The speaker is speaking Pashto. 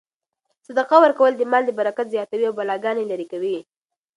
صدقه ورکول د مال برکت زیاتوي او بلاګانې لیرې کوي.